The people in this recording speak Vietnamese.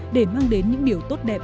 để mang đến những điều tốt đẹp